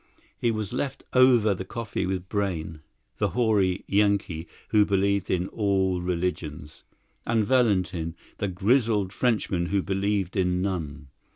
He was left over the coffee with Brayne, the hoary Yankee who believed in all religions, and Valentin, the grizzled Frenchman who believed in none.